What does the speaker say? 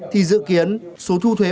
thì dự kiến số thu thuế